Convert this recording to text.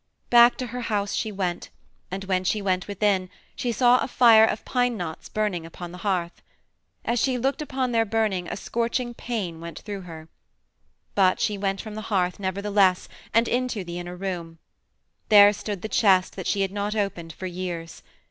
Back to her house she went, and when she went within she saw a fire of pine knots burning upon the hearth. As she looked upon their burning a scorching pain went through her. But she went from the hearth, nevertheless, and into the inner room. There stood the chest that she had not opened for years.